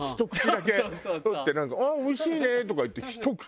「あっおいしいね」とか言ってひと口。